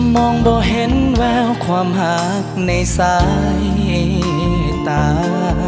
มองบ่เห็นแววความหักในสายตา